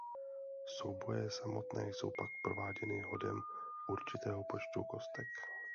Souboje samotné jsou pak prováděny hodem určitého počtu kostek.